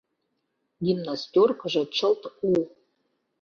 Гимнастёркыжо чылт у.